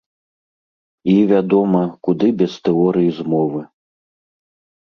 І, вядома, куды без тэорый змовы.